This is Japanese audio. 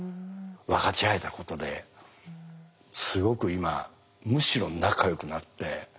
分かち合えたことですごく今むしろ仲よくなって。